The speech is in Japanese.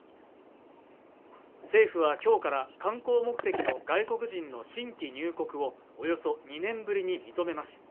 政府は今日から観光目的の外国人の新規入国をおよそ２年ぶりに認めます